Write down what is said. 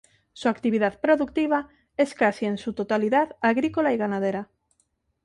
Su actividad productiva es casi en su totalidad agrícola y ganadera.